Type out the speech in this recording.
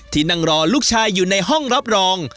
ที่นั่งรอลูกชายอยู่ในห้องรับรอง